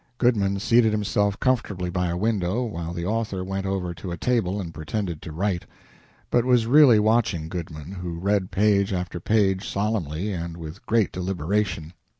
Goodman seated himself comfortably by a window, while the author went over to a table and pretended to write, but was really watching Goodman, who read page after page solemnly and with great deliberation.